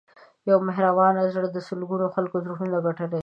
یو مهربان زړه د سلګونو خلکو زړونه ګټلی شي.